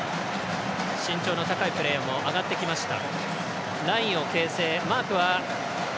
身長の高いプレーヤーも上がってきました。